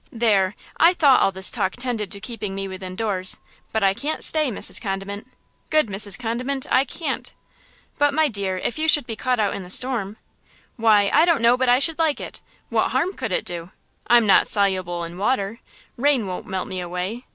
"There! I thought all this talk tended to keeping me within doors, but I can't stay, Mrs. Condiment! Good Mrs. Condiment, I can't!" "But, my dear, if you should be caught out in the storm!" "Why, I don't know but I should like it! What harm could it do? I'm not soluble in water–rain won't melt me away!